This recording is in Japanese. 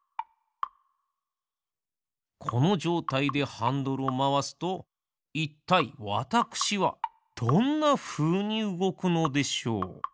このじょうたいでハンドルをまわすといったいわたくしはどんなふうにうごくのでしょう？